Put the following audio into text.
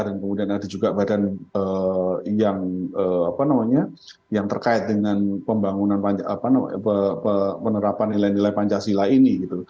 dan kemudian ada juga badan yang terkait dengan penerapan nilai nilai pancasila ini